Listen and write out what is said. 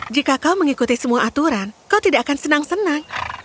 jika kau mengikuti semua aturan kau tidak akan senang senang